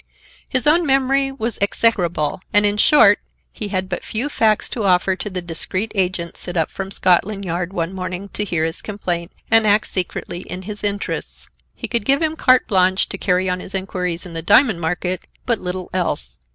His own memory was execrable, and, in short, he had but few facts to offer to the discreet agent sent up from Scotland Yard one morning to hear his complaint and act secretly in his interests. He could give him carte blanche to carry on his inquiries in the diamond market, but little else.